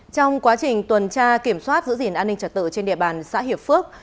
trong quá trình tuần tra kiểm soát giữ gìn an ninh trật tự trên địa bàn xã hiệp phước